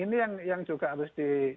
ini yang juga harus di